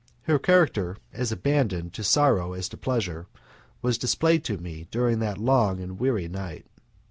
Her character, as abandoned to sorrow as to pleasure, was displayed to me during that long and weary night.